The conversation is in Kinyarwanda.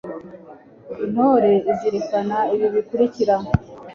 intore izirikana ibi bikurikira